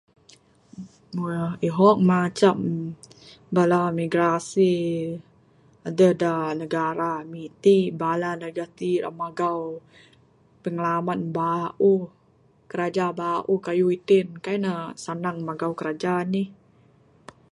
Merrr ihong macam bala imigrasi adeh da negara ami ti...bala ne gatik ira magau pingalaman bauh kiraja bauh kayuh itin kaii ne sanang magau kiraja nih.